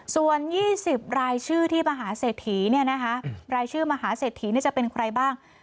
ส่วน๒๐รายชื่อที่มหาเศรษฐีรายชื่อมหาเศรษฐีจะเป็นใครบ้าง